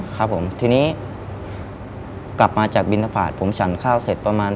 ครับผมทีนี้กลับมาจากบินทบาทผมฉันข้าวเสร็จประมาณ